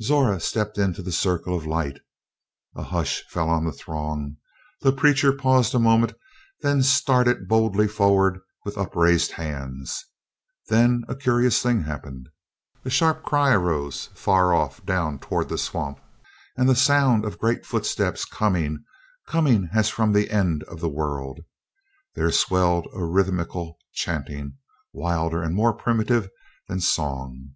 Zora stepped into the circle of light. A hush fell on the throng; the preacher paused a moment, then started boldly forward with upraised hands. Then a curious thing happened. A sharp cry arose far off down toward the swamp and the sound of great footsteps coming, coming as from the end of the world; there swelled a rhythmical chanting, wilder and more primitive than song.